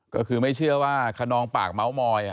ก็คือไม่เชื่อว่าคนนองปากเม้ามอย